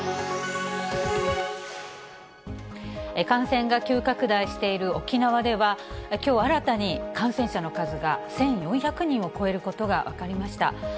感染が急拡大している沖縄では、きょう新たに感染者の数が１４００人を超えることが分かりました。